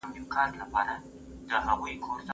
ملکيت د انسان په طبيعت کي دی.